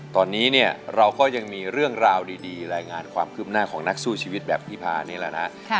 ตอนนี้เนี่ยเราก็ยังมีเรื่องราวดีรายงานความคืบหน้าของนักสู้ชีวิตแบบพี่พานี่แหละนะ